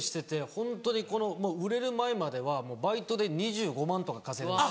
ホントにこの売れる前まではバイトで２５万円とか稼いでました。